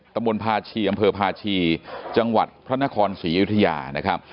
ตำบลพาชีอำเภอพาชีจังหวัดพระนครศรีอยุธยานะครับ